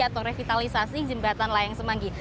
atau revitalisasi jembatan layang semanggi